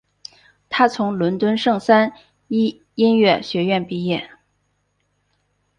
他从伦敦圣三一音乐学院毕业。